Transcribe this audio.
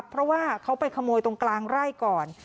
เพราะว่าเขาไปขโมยตรงกลางไร่ก่อน